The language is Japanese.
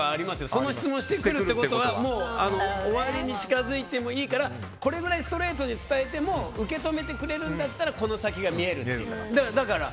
その質問してくるってことは終わりに近づいてもいいからこれぐらいストレートに伝えても受け止めてくれるんだったらこの先が見える。